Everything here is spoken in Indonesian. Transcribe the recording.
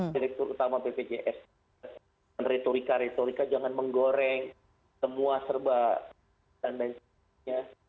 direktur utama bpjs retorika retorika jangan menggoreng semua serba dan lain sebagainya